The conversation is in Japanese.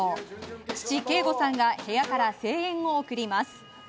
父・啓悟さんが部屋から声援を送ります。